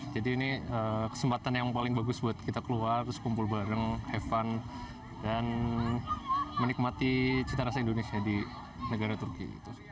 jadi ini kesempatan yang paling bagus buat kita keluar terus kumpul bareng have fun dan menikmati cita rasa indonesia di negara turki